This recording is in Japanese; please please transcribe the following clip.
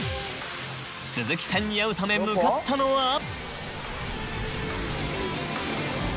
鈴木さんに会うため向かったのは。